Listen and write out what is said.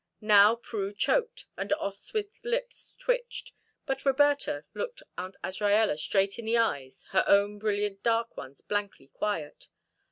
Now Prue choked, and Oswyth's lips twitched, but Roberta looked Aunt Azraella straight in the eyes, her own brilliant dark ones blankly quiet.